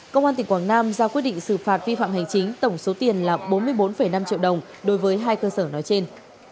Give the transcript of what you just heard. công an tỉnh quảng nam ra quyết định xử phạt vi phạm hành chính tổng số tiền là bốn mươi bốn năm triệu đồng đối với hai cơ sở nói trên